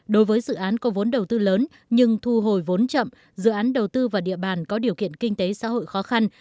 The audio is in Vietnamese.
đối với dự án có vốn đầu tư lớn nhưng thu hồi vốn chậm dự án đầu tư và địa bàn có điều kiện kinh tế xã hội khó khăn